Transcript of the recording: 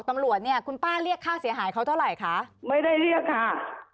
ตำรวจเนี่ยคุณป้าเรียกค่าเสียหายเขาเท่าไหร่คะไม่ได้เรียกค่ะ